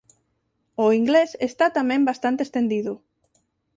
O inglés está tamén bastante estendido.